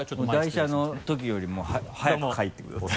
台車の時よりも速く帰ってください